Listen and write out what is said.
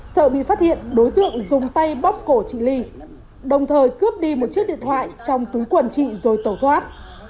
sợ bị phát hiện đối tượng dùng tay bóc cổ chị ly đồng thời cướp đi một chiếc điện thoại trong túi quần chị rồi tẩu thoát